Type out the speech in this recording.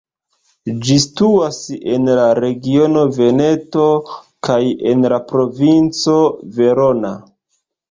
Ĝi situas en la regiono Veneto kaj en la provinco Verona.